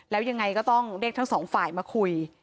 แล้วยังไงก็ต้องเรียกทั้งสองฝ่ายมาคุย